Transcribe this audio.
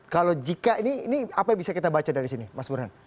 kalau jika ini apa yang bisa kita baca dari sini mas burhan